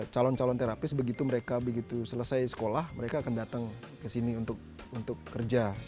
calon calon terapis begitu mereka begitu selesai sekolah mereka akan datang ke sini untuk kerja